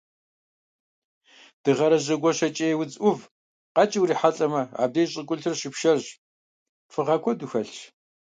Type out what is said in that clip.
Дыгъэрыжьэ гуащӀэкӀей удз Ӏуву къэкӀыу урихьэлӀэмэ, абдеж щӀыгулъыр щыпшэрщ, фыгъэ куэду хэлъщ.